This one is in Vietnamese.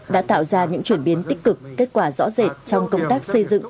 đã tạo ra những chuyển biến tích cực kết quả rõ rệt trong công tác xây dựng